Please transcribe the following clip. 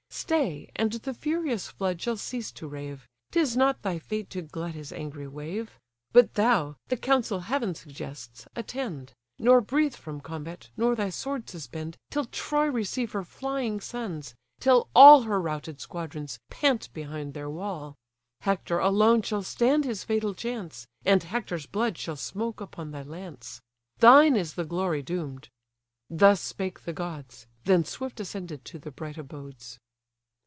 Stay, and the furious flood shall cease to rave 'Tis not thy fate to glut his angry wave. But thou, the counsel heaven suggests, attend! Nor breathe from combat, nor thy sword suspend, Till Troy receive her flying sons, till all Her routed squadrons pant behind their wall: Hector alone shall stand his fatal chance, And Hector's blood shall smoke upon thy lance. Thine is the glory doom'd." Thus spake the gods: Then swift ascended to the bright abodes.